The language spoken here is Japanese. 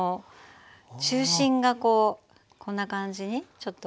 中心がこうこんな感じにちょっと。